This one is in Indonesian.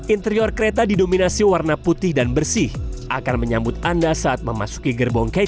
interior kereta didominasi warna putih dan bersih akan menyambut anda saat memasuki gerbong kereta